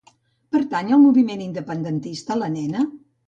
Pertany al moviment independentista la Nena?